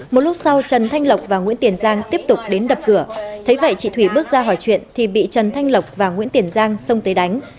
một lúc sau trần thanh lộc và nguyễn tiền giang tiếp tục đến đập cửa thấy vậy chị thủy bước ra hỏi chuyện thì bị trần thanh lộc và nguyễn tiền giang xông tới đánh